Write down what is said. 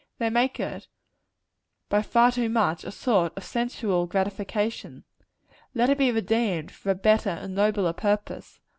They make it, by far too much, a sort of sensual gratification. Let it be redeemed, for a better and a nobler purpose.